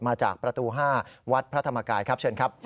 มาจากประตู๕วัดพระธรรมกายครับเชิญครับ